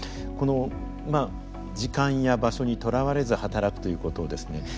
この時間や場所にとらわれず働くということをですね